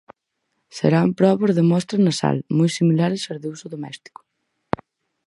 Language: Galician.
Serán probas de mostra nasal, moi similares ás de uso doméstico.